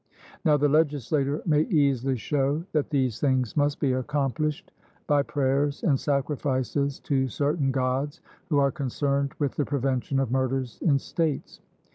Now the legislator may easily show that these things must be accomplished by prayers and sacrifices to certain Gods, who are concerned with the prevention of murders in states.